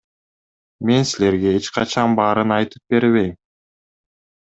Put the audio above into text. Мен силерге эч качан баарын айтып бербейм.